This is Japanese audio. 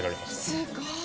すごい！